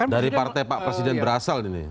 dari partai pak presiden berasal ini